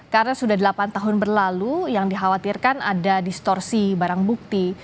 karena sudah delapan tahun berlalu yang dikhawatirkan ada distorsi barang bukti